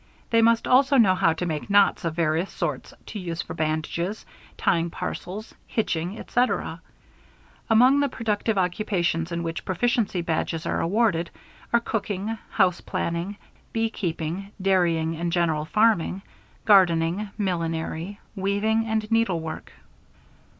They must also know how to make knots of various sorts to use for bandages, tying parcels, hitching, etc. Among the productive occupations in which Proficiency Badges are awarded are cooking, house planning, beekeeping, dairying and general farming, gardening, millinery, weaving, and needlework.